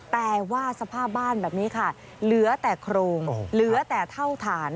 แต่ว่าสภาพบ้านแบบนี้ค่ะเหลือแต่โครงเหลือแต่เท่าฐาน